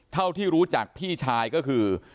เท่าที่รู้จักพี่ชายก็คือ